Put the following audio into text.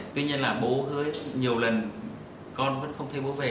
tuy nhiên là bố hơi nhiều lần con vẫn không thấy bố về